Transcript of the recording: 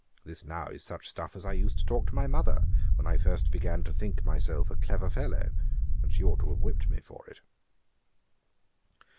This now is such stuff as I used to talk to my mother, when I first began to think myself a clever fellow; and she ought to have whipt me for it.'